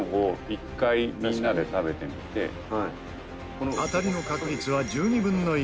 この当たりの確率は１２分の１。